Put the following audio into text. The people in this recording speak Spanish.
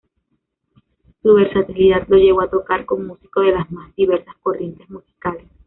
Su versatilidad lo llevó a tocar con músicos de las más diversas corrientes musicales.